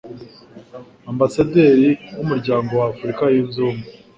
Ambasaderi w'Umuryango wa Afurika Yunze Ubumwe